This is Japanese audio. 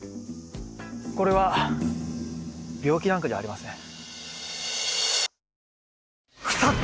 これは病気なんかじゃありません。